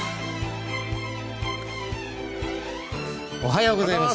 おはようございます。